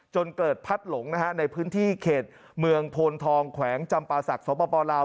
จนเกิดพัดหลงนะฮะในพื้นที่เขตเมืองโพนทองแขวงจำปาศักดิ์สปลาว